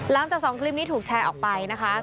หลังจาก๒คลิปนี้ถูกแชร์ออกไปนะคะ